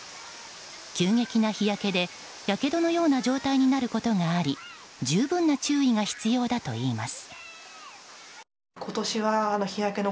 急激な日焼けでやけどのような状態になることがあり十分な注意が必要だといいます。